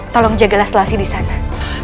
tolong jagalah selasi di sana